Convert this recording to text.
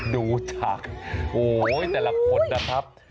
ดูจากโหแต่ละคนนะครับ